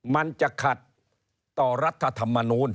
มันจะขัดต่อรัฐธรรมนูล